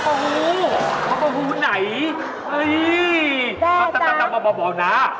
พระพระฮูพระพระฮูไหนเฮ่ยพระบอบหน้า